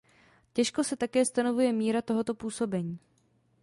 Těžko se také stanovuje míra tohoto působení.